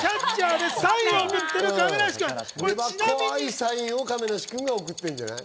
細かいサインを亀梨君が送ってるんじゃない？